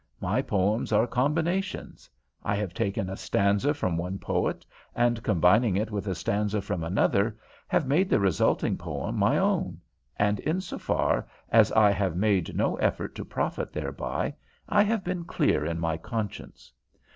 My poems are combinations. I have taken a stanza from one poet, and combining it with a stanza from another, have made the resulting poem my own, and in so far as I have made no effort to profit thereby I have been clear in my conscience.